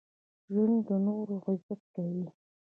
ژوندي د نورو عزت کوي